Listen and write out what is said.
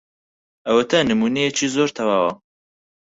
ئەوەتە نموونەیەکی زۆر تەواو.